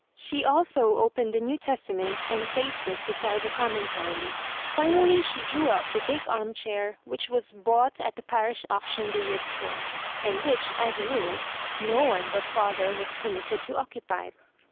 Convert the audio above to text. She also opened the New Testament, and placed it beside the Commentary. Finally she drew up the big armchair, which was bought at the parish auction the year before, and which, as a rule, no one but father was permitted to occupy.